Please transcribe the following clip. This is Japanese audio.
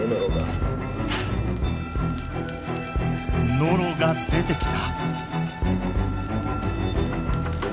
ノロが出てきた。